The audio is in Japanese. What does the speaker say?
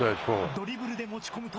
ドリブルで持ち込むと。